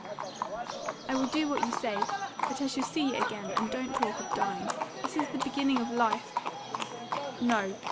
"I will do what you say. But I shall see you again; and don't talk of dying. This is the beginning of life " "No.